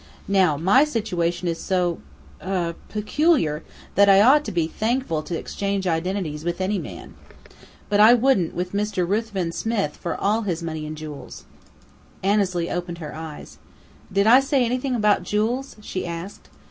Now, my situation is so er peculiar that I ought to be thankful to exchange identities with any man. But I wouldn't with Mr. Ruthven Smith for all his money and jewels." Annesley opened her eyes. "Did I say anything about jewels?" she asked.